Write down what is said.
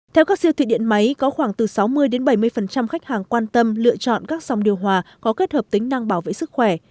theo các siêu thị điện máy có khoảng từ sáu mươi bảy mươi khách hàng quan tâm lựa chọn các dòng điều hòa có kết hợp tính năng bảo vệ sức khỏe